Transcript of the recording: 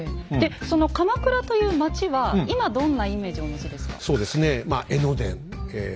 でその鎌倉という町は今どんなイメージをお持ちですか？